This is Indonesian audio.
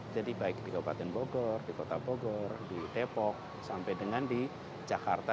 jadi baik di kabupaten bogor di kota bogor di depok sampai dengan di jakarta